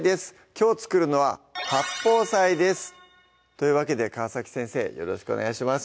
きょう作るのは「八宝菜」ですというわけで川先生よろしくお願いします